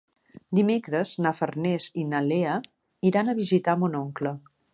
Dimecres na Farners i na Lea iran a visitar mon oncle.